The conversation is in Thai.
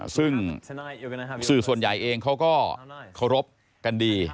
ซึ่งสื่อส่วนใหญ่เองเขาก็เคารพกันดี